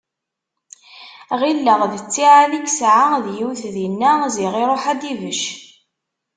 Ɣilleɣ d ttiɛad i yesɛa d yiwet dinna, ziɣ iruḥ ad d-ibecc.